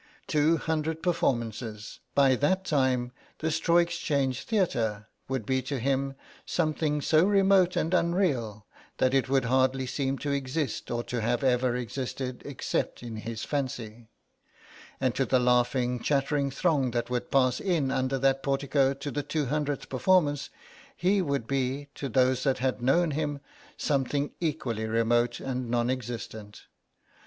Two hundred performances; by that time the Straw Exchange Theatre would be to him something so remote and unreal that it would hardly seem to exist or to have ever existed except in his fancy. And to the laughing chattering throng that would pass in under that portico to the 200th performance, he would be, to those that had known him, something equally remote and non existent.